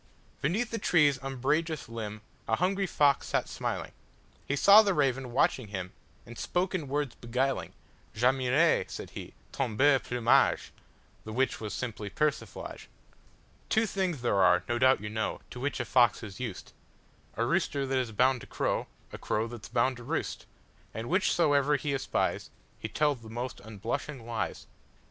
Beneath the tree's umbrageous limbA hungry fox sat smiling; He saw the raven watching him, And spoke in words beguiling:"J' admire," said he, "ton beau plumage,"(The which was simply persiflage).Two things there are, no doubt you know, To which a fox is used,—A rooster that is bound to crow,A crow that 's bound to roost, And whichsoever he espiesHe tells the most unblushing lies.